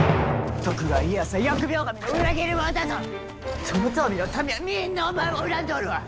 徳川家康は疫病神の裏切り者だと遠江の民はみんなお前を恨んでおるわ！